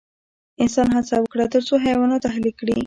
انسان هڅه وکړه تر څو حیوانات اهلي کړي.